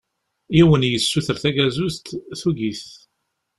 Yiwen yessuter tagazuzt, tugi-t.